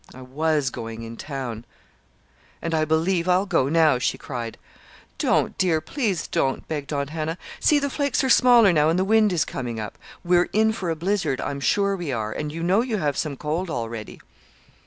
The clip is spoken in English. "I was going in town and I believe I'll go now," she cried. "Don't, dear, please don't," begged Aunt Hannah. "See, the flakes are smaller now, and the wind is coming up. We're in for a blizzard I'm sure we are. And you know you have some cold, already."